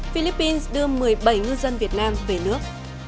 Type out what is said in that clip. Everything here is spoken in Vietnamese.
philippines đưa một mươi bảy ngư dân việt nam về nước